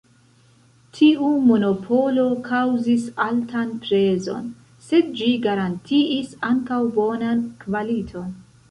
Tiu monopolo kaŭzis altan prezon, sed ĝi garantiis ankaŭ bonan kvaliton.